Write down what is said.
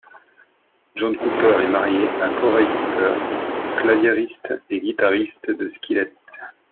John Cooper est marié à Korey Cooper, claviériste et guitariste de Skillet.